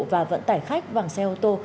và vận tải khách vàng xe ô tô